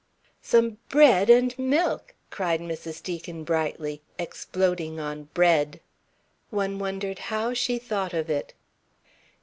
"Some bread and milk!" cried Mrs. Deacon brightly, exploding on "bread." One wondered how she thought of it.